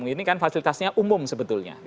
ini kan fasilitasnya umum sebetulnya